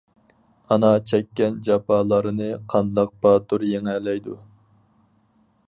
ئانا چەككەن جاپالارنى، قانداق باتۇر يېڭەلەيدۇ.